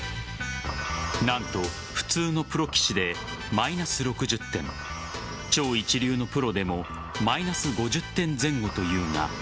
何と普通のプロ棋士でマイナス６０点超一流のプロでもマイナス５０点前後というが。